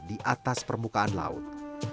di atas permukaan laut